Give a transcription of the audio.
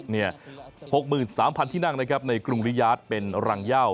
๖๓๐๐๐ที่นั่งในกรุงลิยาศเป็นรังย่าว